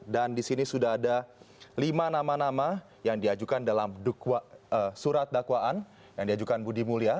dan disini sudah ada lima nama nama yang diajukan dalam surat dakwaan yang diajukan budi mulya